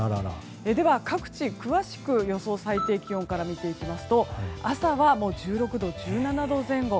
では、各地詳しく予想最低気温から見ていきますと朝は１６度、１７度前後。